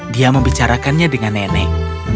dia membicarakannya dengan nenek